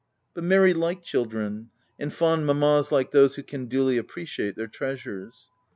— But Mary liked children, and fond mammas like those who can duly appre ciate their treasures.